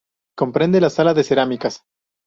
Comprende la sala de Cerámicas.